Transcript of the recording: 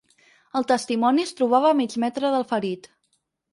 El testimoni es trobava a mig metre del ferit.